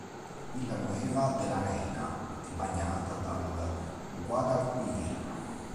Villanueva de la Reina è bagnata dal Guadalquivir.